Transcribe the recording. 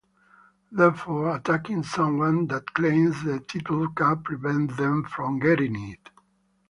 Therefore, attacking someone that claims the title can prevent them from getting it.